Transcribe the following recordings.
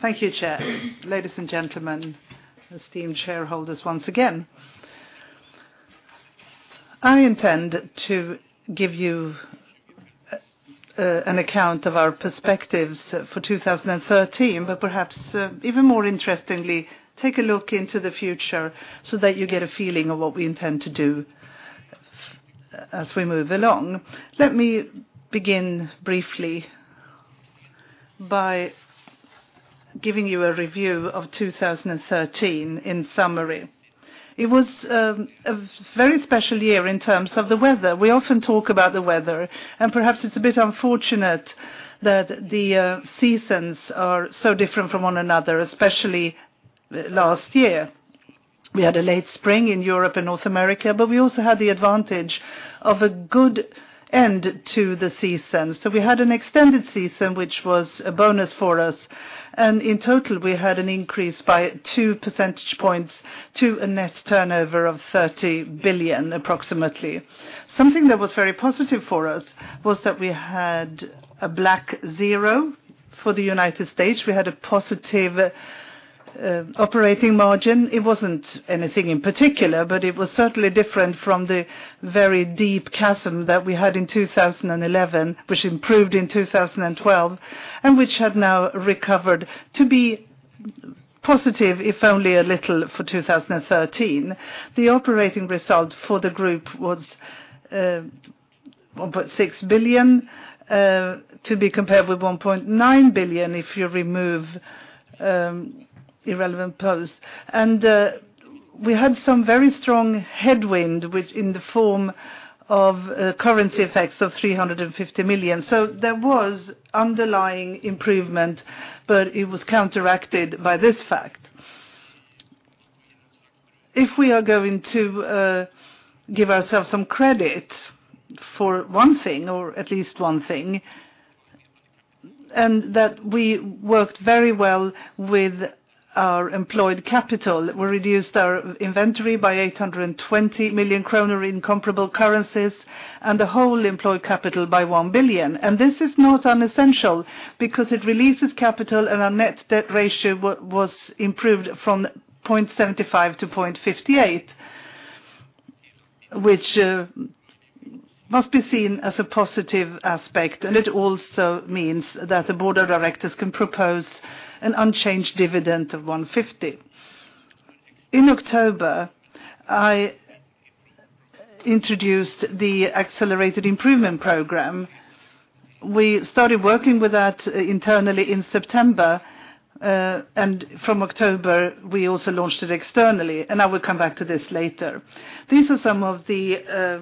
Thank you, Chair. Ladies and gentlemen, esteemed shareholders, once again. I intend to give you an account of our perspectives for 2013, but perhaps even more interestingly, take a look into the future so that you get a feeling of what we intend to do as we move along. Let me begin briefly by giving you a review of 2013 in summary. It was a very special year in terms of the weather. We often talk about the weather, and perhaps it's a bit unfortunate that the seasons are so different from one another, especially last year. We had a late spring in Europe and North America, but we also had the advantage of a good end to the season. We had an extended season, which was a bonus for us, and in total, we had an increase by two percentage points to a net turnover of 30 billion approximately. Something that was very positive for us was that we had a black zero for the U.S. We had a positive operating margin. It wasn't anything in particular, but it was certainly different from the very deep chasm that we had in 2011, which improved in 2012, and which had now recovered to be positive, if only a little, for 2013. The operating result for the group was 1.6 billion, to be compared with 1.9 billion if you remove irrelevant posts. We had some very strong headwind, in the form of currency effects of 350 million. There was underlying improvement, but it was counteracted by this fact. If we are going to give ourselves some credit for one thing, or at least one thing, that we worked very well with our employed capital. We reduced our inventory by 820 million kronor in comparable currencies, and the whole employed capital by 1 billion. This is not unessential, because it releases capital, and our net debt ratio was improved from 0.75 to 0.58, which must be seen as a positive aspect, and it also means that the board of directors can propose an unchanged dividend of 150. In October, I introduced the Accelerated Improvement Program. We started working with that internally in September, and from October, we also launched it externally, and I will come back to this later. These are some of the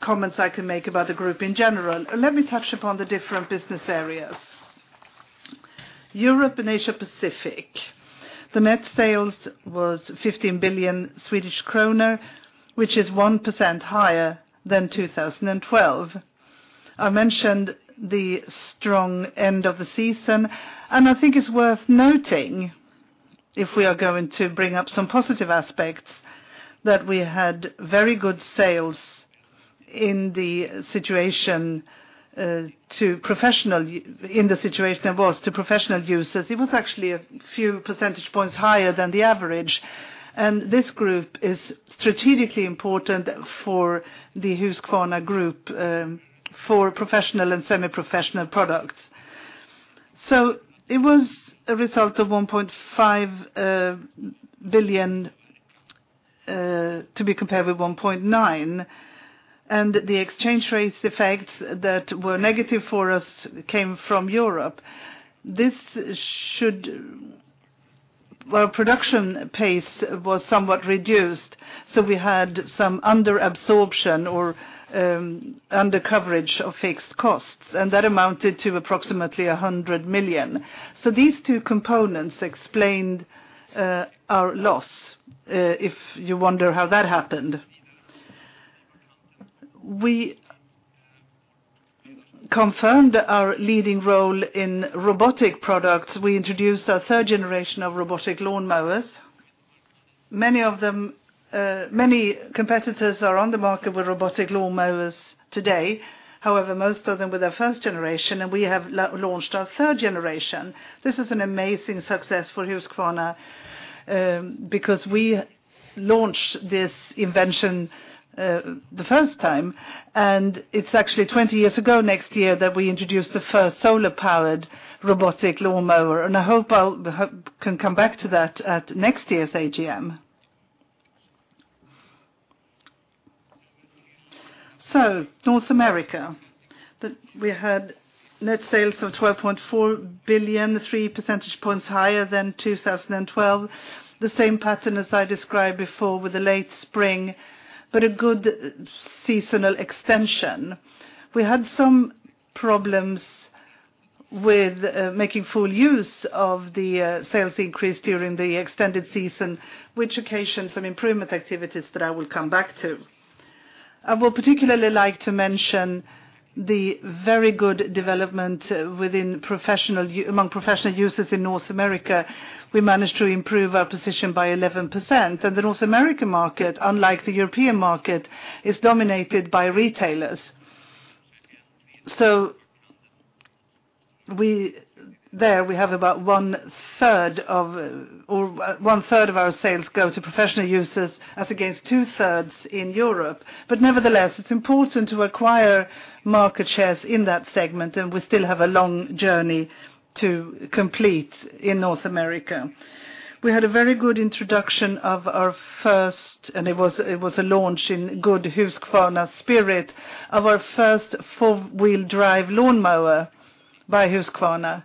comments I can make about the group in general. Let me touch upon the different business areas. Europe and Asia Pacific. The net sales was 15 billion Swedish kronor, which is 1% higher than 2012. I mentioned the strong end of the season, and I think it's worth noting, if we are going to bring up some positive aspects, that we had very good sales in the situation there was to professional users. It was actually a few percentage points higher than the average. This group is strategically important for the Husqvarna Group for professional and semi-professional products. It was a result of 1.5 billion, to be compared with 1.9 billion, and the exchange rates effects that were negative for us came from Europe. Our production pace was somewhat reduced, so we had some under-absorption or under-coverage of fixed costs, and that amounted to approximately 100 million. These two components explained our loss, if you wonder how that happened. We confirmed our leading role in robotic products. We introduced our third generation of robotic lawn mowers. Many competitors are on the market with robotic lawn mowers today. However, most of them were the first generation, and we have launched our third generation. This is an amazing success for Husqvarna because we launched this invention the first time, and it's actually 20 years ago next year that we introduced the first solar-powered robotic lawnmower, and I hope I can come back to that at next year's AGM. North America. We had net sales of 12.4 billion, 3 percentage points higher than 2012. The same pattern as I described before with the late spring, but a good seasonal extension. We had some problems with making full use of the sales increase during the extended season, which occasioned some improvement activities that I will come back to. I will particularly like to mention the very good development among professional users in North America. We managed to improve our position by 11%, and the North American market, unlike the European market, is dominated by retailers. There we have about one-third of our sales go to professional users as against two-thirds in Europe. Nevertheless, it's important to acquire market shares in that segment, and we still have a long journey to complete in North America. We had a very good introduction of our first, and it was a launch in good Husqvarna spirit, of our first four-wheel drive lawnmower by Husqvarna,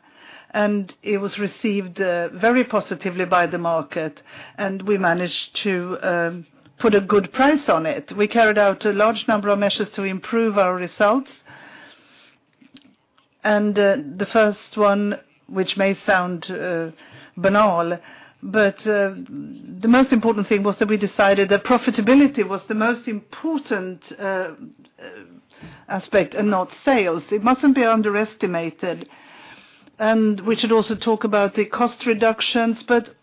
and it was received very positively by the market, and we managed to put a good price on it. We carried out a large number of measures to improve our results. The first one, which may sound banal, but the most important thing was that we decided that profitability was the most important aspect, and not sales. It mustn't be underestimated. We should also talk about the cost reductions, but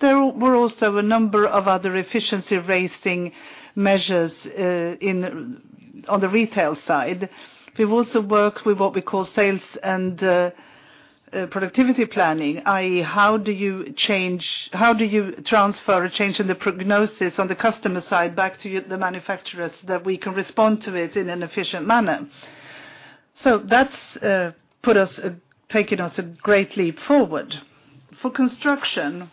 there were also a number of other efficiency-raising measures on the retail side. We've also worked with what we call sales and operations planning, i.e. how do you transfer a change in the prognosis on the customer side back to the manufacturers that we can respond to it in an efficient manner? That's taken us a great leap forward. For construction,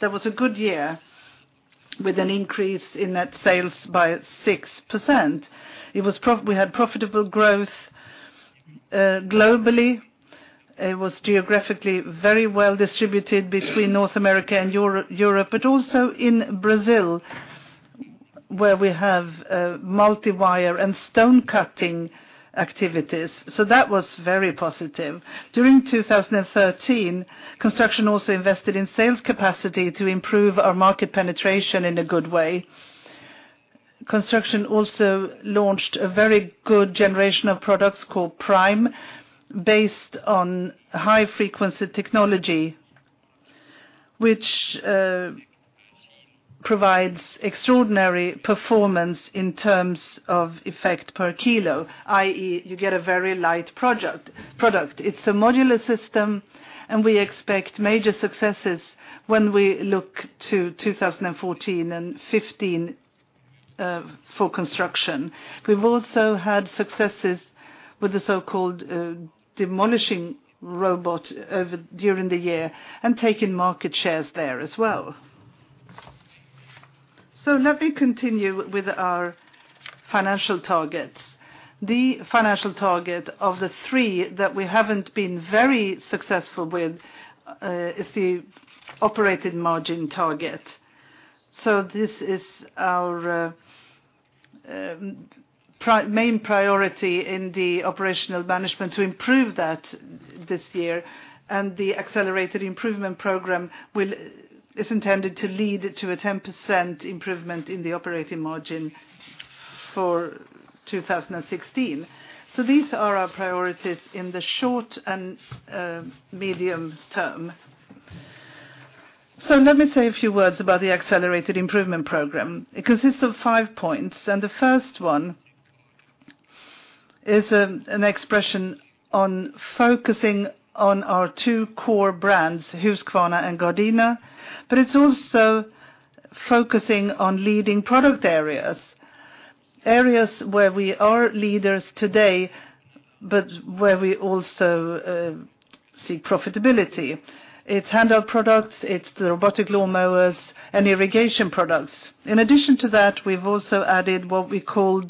that was a good year with an increase in net sales by 6%. We had profitable growth globally. It was geographically very well distributed between North America and Europe, but also in Brazil, where we have multi-wire and stone cutting activities. That was very positive. During 2013, construction also invested in sales capacity to improve our market penetration in a good way. Construction also launched a very good generation of products called PRIME, based on high-frequency technology, which provides extraordinary performance in terms of effect per kilo, i.e. you get a very light product. It's a modular system, and we expect major successes when we look to 2014 and 2015 for construction. We've also had successes with the so-called demolition robot during the year and taken market shares there as well. Let me continue with our financial targets. The financial target of the three that we haven't been very successful with is the operating margin target. This is our main priority in the operational management to improve that this year, and the Accelerated Improvement Program is intended to lead to a 10% improvement in the operating margin for 2016. These are our priorities in the short and medium term. Let me say a few words about the Accelerated Improvement Program. It consists of five points, and the first one is an expression on focusing on our two core brands, Husqvarna and Gardena, but it's also focusing on leading product areas where we are leaders today, but where we also see profitability. It's handheld products, it's the robotic lawn mowers, and irrigation products. In addition to that, we've also added what we call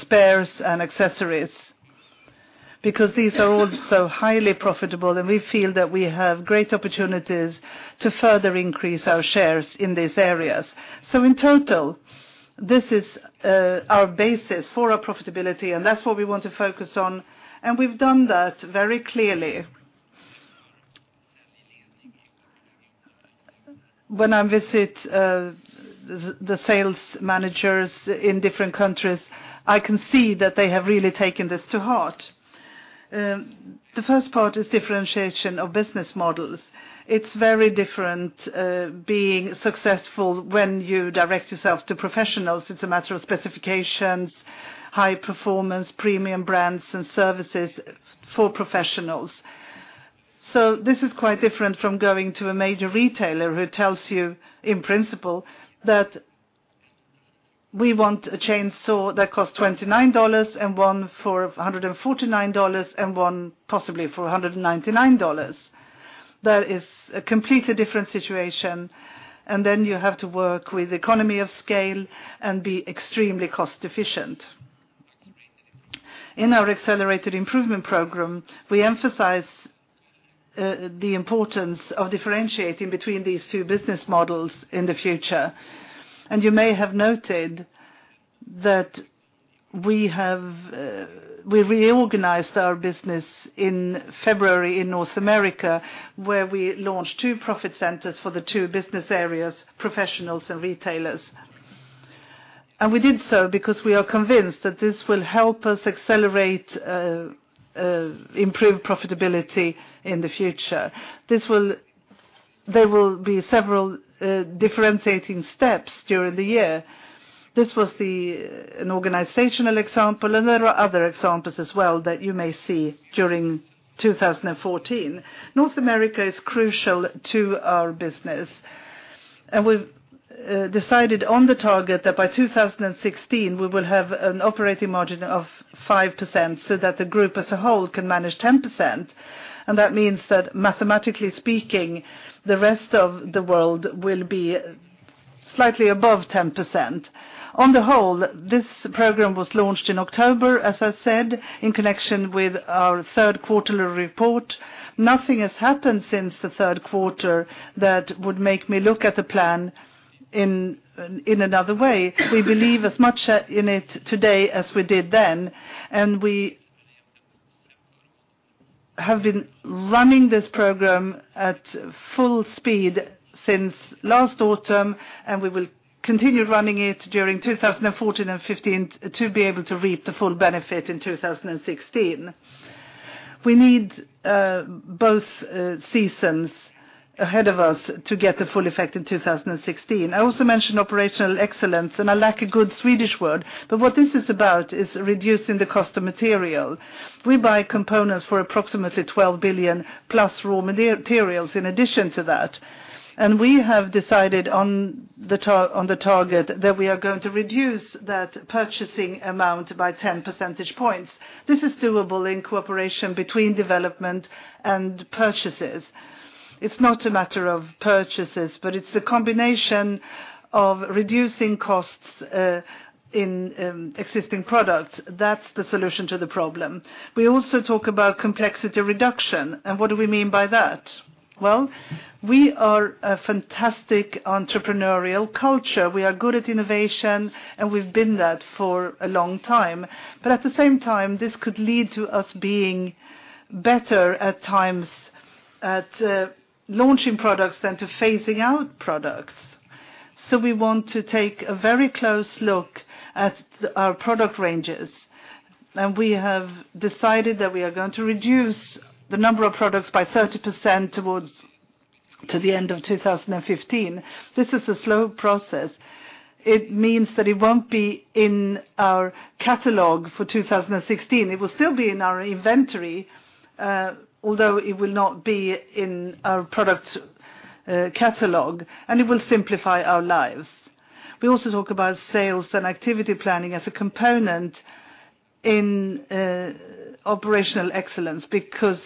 spares and accessories, because these are also highly profitable, and we feel that we have great opportunities to further increase our shares in these areas. In total, this is our basis for our profitability, and that's what we want to focus on, and we've done that very clearly. When I visit the sales managers in different countries, I can see that they have really taken this to heart. The first part is differentiation of business models. It's very different being successful when you direct yourself to professionals. It's a matter of specifications, high performance, premium brands, and services for professionals. This is quite different from going to a major retailer who tells you, in principle, that we want a chainsaw that costs $29 and one for $149 and one possibly for $199. That is a completely different situation, and then you have to work with economy of scale and be extremely cost-efficient. In our Accelerated Improvement Program, we emphasize the importance of differentiating between these two business models in the future. You may have noted that we reorganized our business in February in North America, where we launched two profit centers for the two business areas, professionals and retailers. We did so because we are convinced that this will help us accelerate improved profitability in the future. There will be several differentiating steps during the year. This was an organizational example, and there are other examples as well that you may see during 2014. North America is crucial to our business, and we've decided on the target that by 2016 we will have an operating margin of 5% so that the group as a whole can manage 10%. That means that mathematically speaking, the rest of the world will be slightly above 10%. On the whole, this program was launched in October, as I said, in connection with our third quarterly report. Nothing has happened since the third quarter that would make me look at the plan in another way. We believe as much in it today as we did then, and we have been running this program at full speed since last autumn, and we will continue running it during 2014 and 2015 to be able to reap the full benefit in 2016. We need both seasons ahead of us to get the full effect in 2016. I also mentioned operational excellence, and I lack a good Swedish word, but what this is about is reducing the cost of material. We buy components for approximately 12 billion plus raw materials in addition to that, and we have decided on the target that we are going to reduce that purchasing amount by 10 percentage points. This is doable in cooperation between development and purchases. It's not a matter of purchases, but it's the combination of reducing costs in existing products. That's the solution to the problem. What do we mean by that? Well, we are a fantastic entrepreneurial culture. We are good at innovation, and we've been that for a long time. At the same time, this could lead to us being better at times at launching products than to phasing out products. We want to take a very close look at our product ranges. We have decided that we are going to reduce the number of products by 30% towards the end of 2015. This is a slow process. It means that it won't be in our catalog for 2016. It will still be in our inventory, although it will not be in our product catalog, and it will simplify our lives. We also talk about sales and operations planning as a component in operational excellence because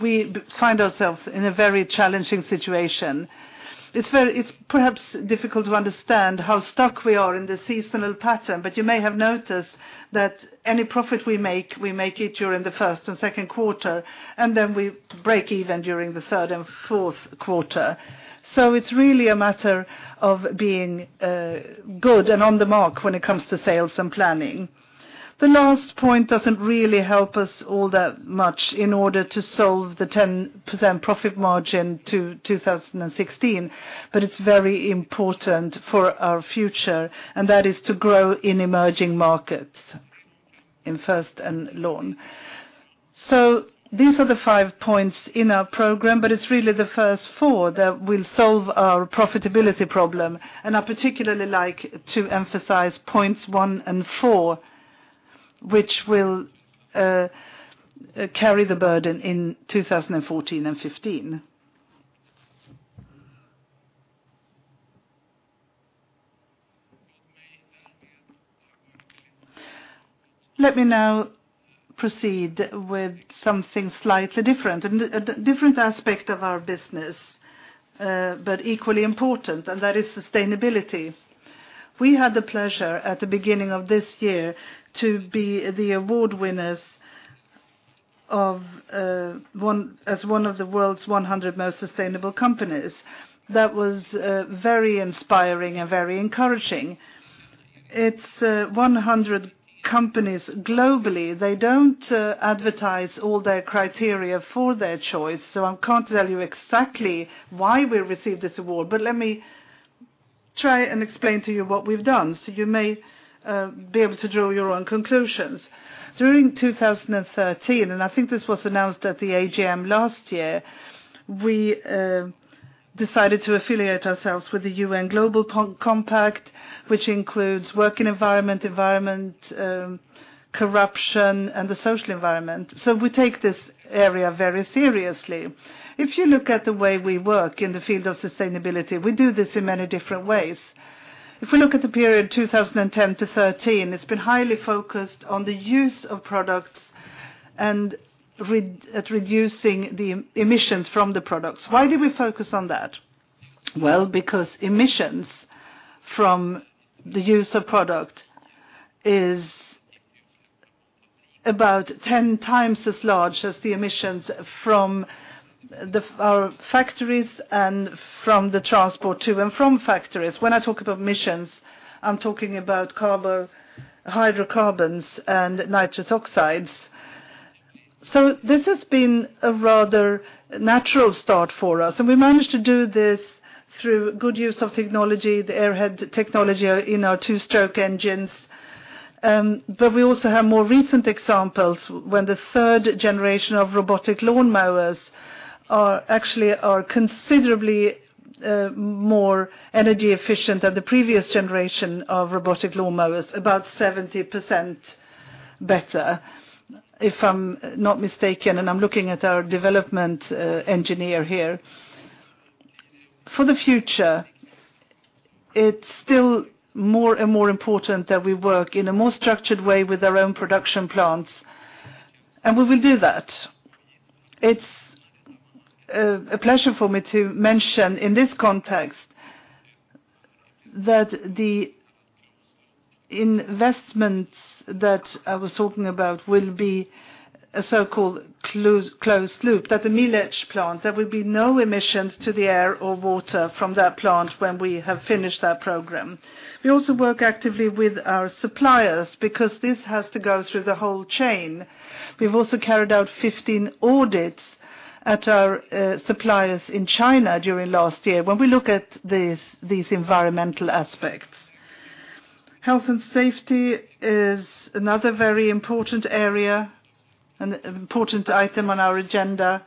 we find ourselves in a very challenging situation. It's perhaps difficult to understand how stuck we are in the seasonal pattern, but you may have noticed that any profit we make, we make it during the first and second quarter, and then we break even during the third and fourth quarter. It's really a matter of being good and on the mark when it comes to sales and planning. The last point doesn't really help us all that much in order to solve the 10% profit margin to 2016. It's very important for our future, and that is to grow in emerging markets in first hand loan. These are the five points in our program. It's really the first four that will solve our profitability problem. I particularly like to emphasize points one and four, which will carry the burden in 2014 and 2015. Let me now proceed with something slightly different, a different aspect of our business, but equally important, and that is sustainability. We had the pleasure at the beginning of this year to be the award winners as one of the world's 100 most sustainable companies. That was very inspiring and very encouraging. It's 100 companies globally. They don't advertise all their criteria for their choice, so I can't tell you exactly why we received this award. Let me try and explain to you what we've done. You may be able to draw your own conclusions. During 2013, I think this was announced at the AGM last year, we decided to affiliate ourselves with the UN Global Compact, which includes work environment, corruption, and the social environment. We take this area very seriously. If you look at the way we work in the field of sustainability, we do this in many different ways. If we look at the period 2010 to 2013, it's been highly focused on the use of products and at reducing the emissions from the products. Why do we focus on that? Well, because emissions from the use of product is about 10 times as large as the emissions from our factories and from the transport to and from factories. When I talk about emissions, I'm talking about hydrocarbons and nitrous oxides. This has been a rather natural start for us, we managed to do this through good use of technology, the X-Torq technology in our two-stroke engines. We also have more recent examples when the third generation of robotic lawn mowers are considerably more energy efficient than the previous generation of robotic lawn mowers, about 70% better, if I'm not mistaken, and I'm looking at our development engineer here. For the future, it's still more and more important that we work in a more structured way with our own production plants, we will do that. It's a pleasure for me to mention in this context that the investments that I was talking about will be a so-called closed-loop at the McRae plant. There will be no emissions to the air or water from that plant when we have finished that program. We also work actively with our suppliers because this has to go through the whole chain. We've also carried out 15 audits at our suppliers in China during last year when we look at these environmental aspects. Health and safety is another very important area, an important item on our agenda.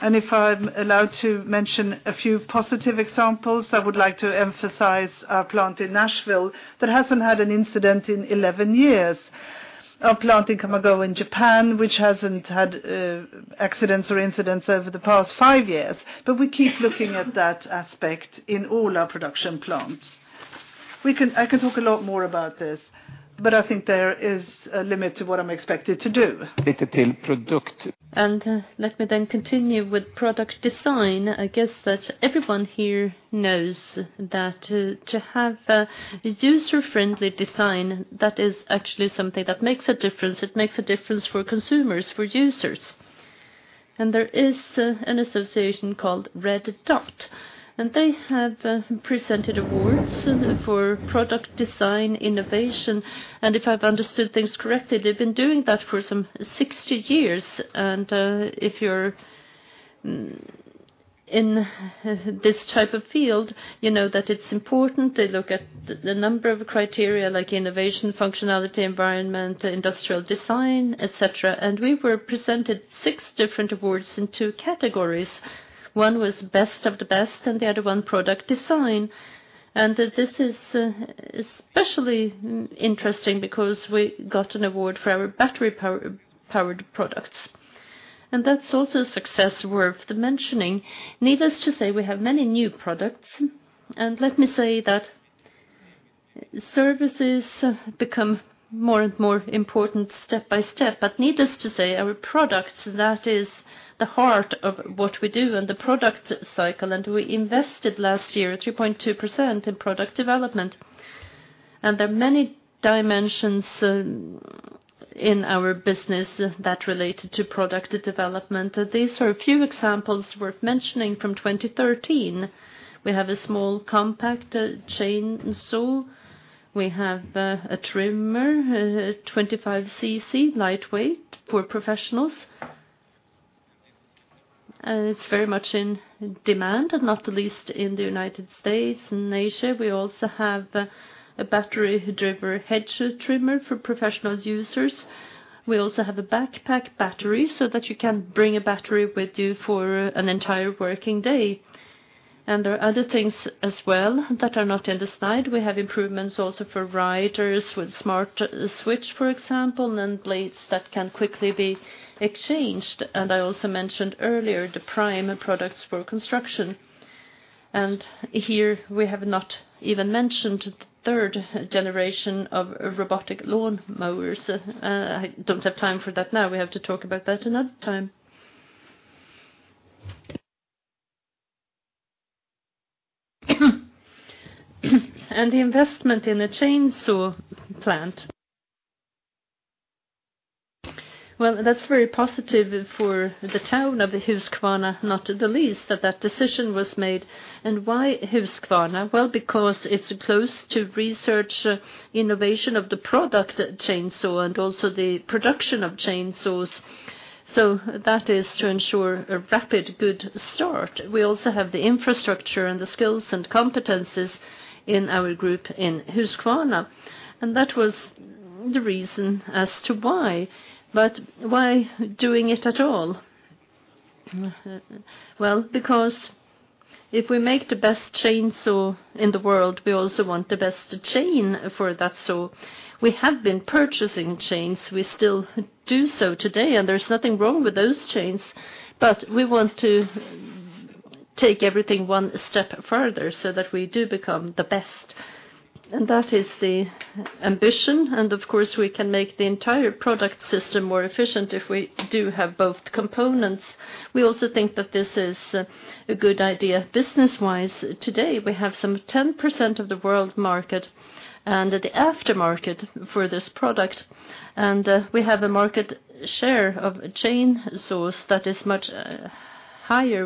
If I'm allowed to mention a few positive examples, I would like to emphasize our plant in Nashville that hasn't had an incident in 11 years. Our plant in Kawagoe in Japan, which hasn't had accidents or incidents over the past five years. We keep looking at that aspect in all our production plants. I could talk a lot more about this, I think there is a limit to what I'm expected to do. Let me then continue with product design. I guess that everyone here knows that to have a user-friendly design, that is actually something that makes a difference. It makes a difference for consumers, for users. There is an association called Red Dot, they have presented awards for product design innovation, if I've understood things correctly, they've been doing that for some 60 years. If you're in this type of field, you know that it's important. They look at the number of criteria like innovation, functionality, environment, industrial design, et cetera, we were presented six different awards in two categories. One was best of the best, the other one product design. That this is especially interesting because we got an award for our battery-powered products. That's also success worth mentioning. Needless to say, we have many new products, let me say that services become more and more important step by step. Needless to say, our product, that is the heart of what we do and the product cycle, we invested last year 3.2% in product development. There are many dimensions in our business that related to product development. These are a few examples worth mentioning from 2013. We have a small compact chainsaw. We have a trimmer, 25cc, lightweight for professionals. It's very much in demand, not the least in the U.S. and Asia. We also have a battery-driven hedge trimmer for professional users. We also have a backpack battery so that you can bring a battery with you for an entire working day. There are other things as well that are not in the slide. We have improvements also for riders with SmartSwitch, for example, and blades that can quickly be exchanged. I also mentioned earlier the PRIME products for construction. Here we have not even mentioned the third generation of robotic lawn mowers. I don't have time for that now. We have to talk about that another time. The investment in the chainsaw plant. That's very positive for the town of Husqvarna, not the least that that decision was made. Why Husqvarna? Because it's close to research innovation of the product chainsaw and also the production of chainsaws. That is to ensure a rapid, good start. We also have the infrastructure and the skills and competencies in our group in Husqvarna, and that was the reason as to why. Why doing it at all? Because if we make the best chainsaw in the world, we also want the best chain for that saw. We have been purchasing chains. We still do so today, and there's nothing wrong with those chains, but we want to take everything one step further so that we do become the best, and that is the ambition. Of course, we can make the entire product system more efficient if we do have both components. We also think that this is a good idea business-wise. Today, we have some 10% of the world market and the aftermarket for this product, and we have a market share of chainsaws that is much higher,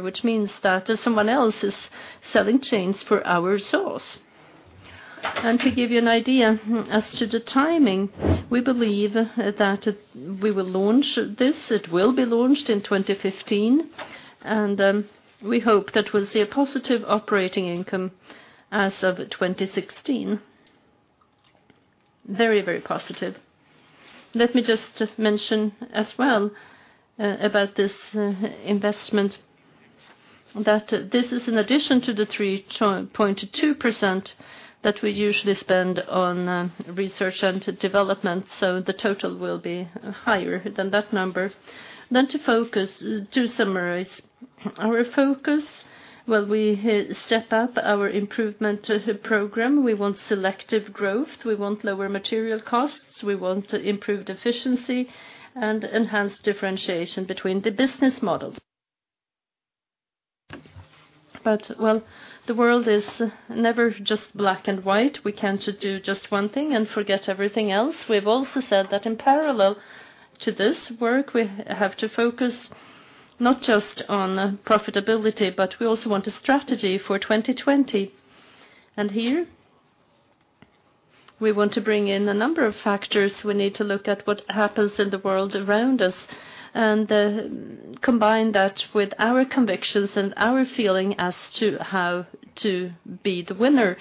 which means that someone else is selling chains for our saws. To give you an idea as to the timing, we believe that we will launch this. It will be launched in 2015. We hope that we'll see a positive operating income as of 2016. Very positive. Let me just mention as well about this investment, that this is in addition to the 3.2% that we usually spend on research and development, so the total will be higher than that number. To summarize our focus, we step up our improvement program. We want selective growth, we want lower material costs, we want improved efficiency, and enhanced differentiation between the business models. The world is never just black and white. We can't do just one thing and forget everything else. We've also said that in parallel to this work, we have to focus not just on profitability, but we also want a strategy for 2020. Here we want to bring in a number of factors. We need to look at what happens in the world around us and combine that with our convictions and our feeling as to how to be the winner.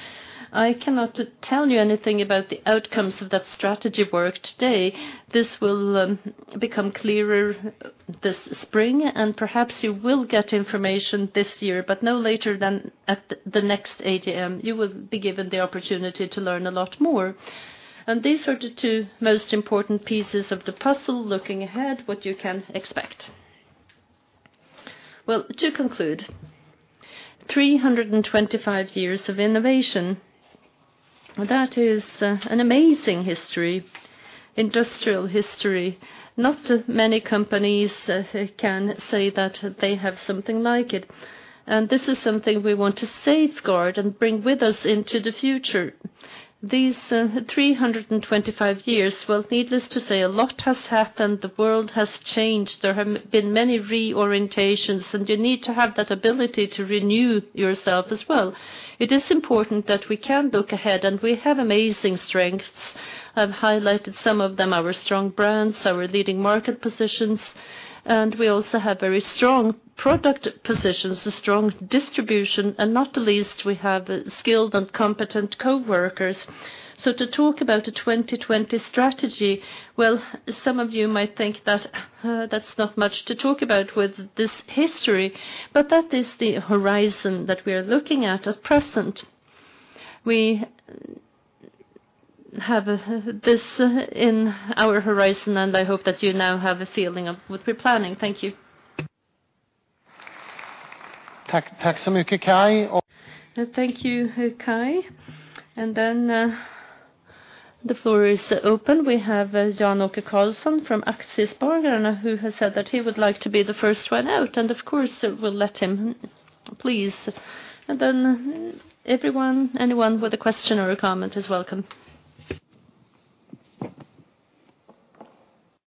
I cannot tell you anything about the outcomes of that strategy work today. This will become clearer this spring, and perhaps you will get information this year, but no later than at the next AGM, you will be given the opportunity to learn a lot more. These are the two most important pieces of the puzzle looking ahead, what you can expect. To conclude, 325 years of innovation, that is an amazing industrial history. Not many companies can say that they have something like it, and this is something we want to safeguard and bring with us into the future. These 325 years, needless to say, a lot has happened. The world has changed. There have been many reorientations. You need to have that ability to renew yourself as well. It is important that we can look ahead. We have amazing strengths. I've highlighted some of them, our strong brands, our leading market positions, and we also have very strong product positions, a strong distribution, and not the least, we have skilled and competent coworkers. To talk about a 2020 strategy, some of you might think that's not much to talk about with this history. That is the horizon that we are looking at at present. We have this in our horizon. I hope that you now have a feeling of what we're planning. Thank you. Thank you so much Kai. Thank you, Kai. The floor is open. We have Jan-Åke Karlsson from Aktiespararna, who has said that he would like to be the first one out. Of course, we'll let him. Please. Anyone with a question or a comment is welcome.